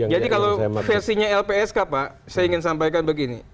jadi kalau versinya lpsk pak saya ingin sampaikan begini